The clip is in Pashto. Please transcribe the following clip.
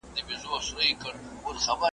په هره ماته کي یوه نوې بریا وي.